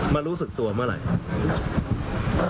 รู้สึกตัวเมื่อไหร่ครับ